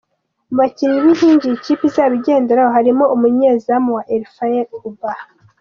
Mu bakinnyi b’inkingi iyi kipe izaba igenderaho harimo umunyezamu wa Ifeanyi Ubah F.